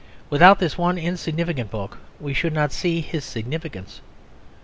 Without this one insignificant book we should not see his significance.